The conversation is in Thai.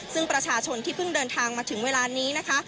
ซึ่งประชาชนที่เพิ่งเดินทางมาถึงเวลานี้นะคะ